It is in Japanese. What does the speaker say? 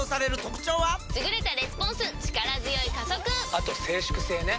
あと静粛性ね。